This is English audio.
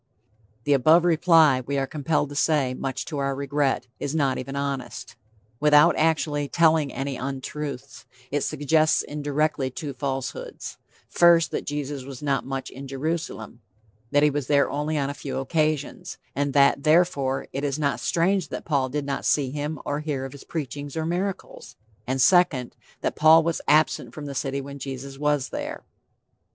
The above reply, we are compelled to say, much to our regret, is not even honest. Without actually telling any untruths, it suggests indirectly two falsehoods: First, that Jesus was not much in Jerusalem that he was there only on a few occasions; and that, therefore, it is not strange that Paul did not see him or hear of his preaching or miracles; and second, that Paul was absent from the city when Jesus was there.